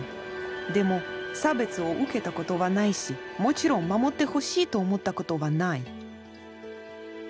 でも差別を受けたことはないしもちろん守ってほしいと思ったことはない。